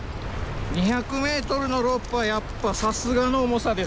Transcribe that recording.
２００メートルのロープはやっぱさすがの重さです。